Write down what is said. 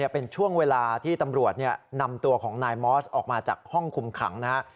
เป็นช่วงเวลาที่ตำรวจนำตัวของนายมอสออกมาจากห้องคุมขังนะครับ